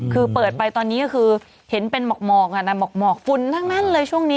คือเปิดไปตอนนี้ก็คือเห็นเป็นหมอกนั่นหมอกหมอกฝุ่นทั้งนั้นเลยช่วงนี้